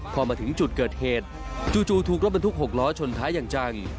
พอมาถึงจุดเกิดเหตุจู่ถูกรถบรรทุก๖ล้อชนท้ายอย่างจัง